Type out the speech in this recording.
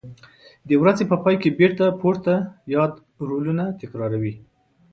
د ورځې په پای کې بېرته پورته یاد رولونه تکراروي.